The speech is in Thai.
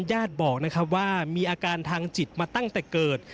ญาติบอกนะครับว่ามีอาการทางจิตมาตั้งแต่เกิด